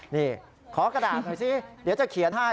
นี่ขอกระดาษหน่อยสิเดี๋ยวจะเขียนให้